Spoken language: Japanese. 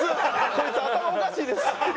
こいつ頭おかしいです。